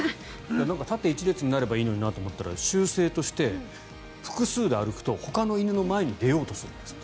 縦１列になればいいのになと思ったら習性として、複数で歩くとほかの犬の前に出ようとするんですって。